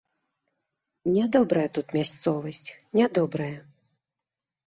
Нядобрая тут мясцовасць, нядобрая!